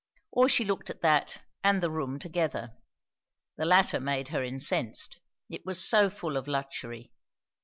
Or she looked at that and the room together; the latter made her incensed. It was so full of luxury.